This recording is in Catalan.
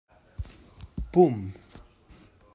Pum!